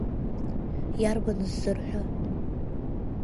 Иарбан ззырҳәа?